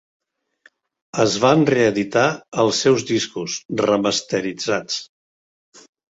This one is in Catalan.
Es van reeditar els seus discos, remasteritzats.